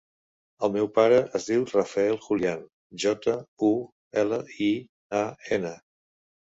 El meu pare es diu Rafael Julian: jota, u, ela, i, a, ena.